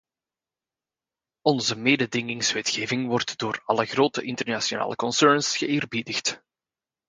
Onze mededingingswetgeving wordt door alle grote internationale concerns geëerbiedigd.